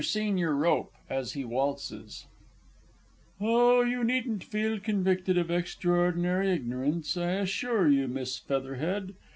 SENIOR ROPPE (as he waltzes). Oh, you needn't feel convicted of extraordinary ignorance, I assure you, Miss Featherhead.